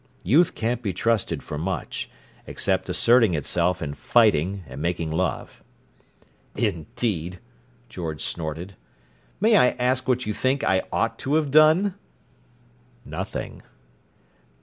Youth can't be trusted for much, except asserting itself and fighting and making love." "Indeed!" George snorted. "May I ask what you think I ought to have done?" "Nothing."